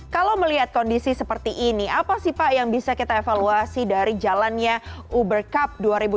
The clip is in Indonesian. kalau melihat kondisi seperti ini apa sih pak yang bisa kita evaluasi dari jalannya uber cup dua ribu dua puluh